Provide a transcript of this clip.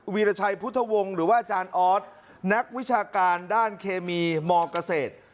วีรชัยพุทธวงศ์หรือว่าอาจารย์ออสนักวิชาการด้านเคมีมเกษตร